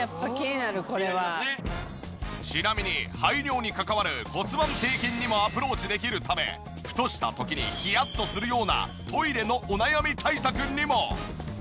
ちなみに排尿に関わる骨盤底筋にもアプローチできるためふとした時にヒヤッとするようなトイレのお悩み対策にも。